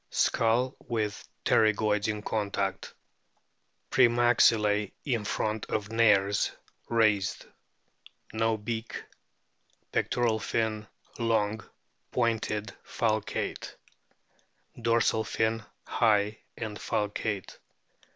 Skull with pterygoids in contact ; pre maxillae in front of nares raised. No beak. Pectoral fin long, pointed, falcate ; dorsal fin high and falcate.